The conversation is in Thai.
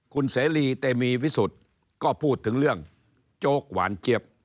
คุณเสรีเตมีวิสุทธิ์ก็พูดถึงเรื่องโจ๊กหวานเจี๊ยบ